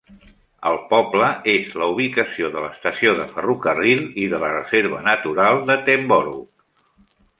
El poble és la ubicació de l'estació de ferrocarril i de la reserva natural d'Attenborough.